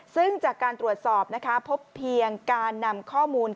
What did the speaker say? ซึ่งจากการตรวจสอบนะคะพบเพียงการนำข้อมูล